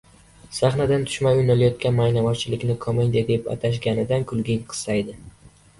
Sahnadan tushmay o‘ynalayotgan maynavozchilikni komediya deb atashganidan kulging qistaydi.